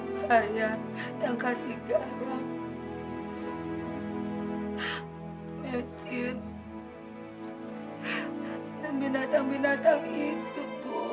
hai saya yang kasih garam mesin dan binatang binatang itu bu